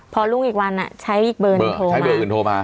พอลุงอีกวันนั้นใช้เบอร์โทรมา